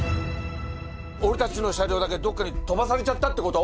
俺たちの車両だけどっかに飛ばされちゃったってこと！？